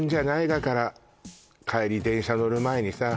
だから帰り電車乗る前にさ